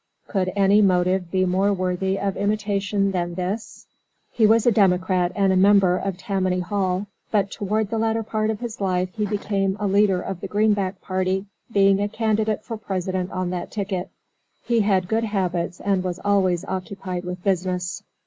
Could any motive be more worthy of imitation than this? He was a Democrat and a member of Tammany Hall, but toward the latter part of his life he became a leader of the Greenback party, being a candidate for President on that ticket. He had good habits and was always occupied with business.